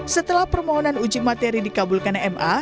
setelah permohonan uji materi dikabulkan ma